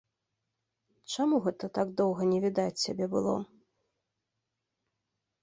Чаму гэта так доўга не відаць цябе было?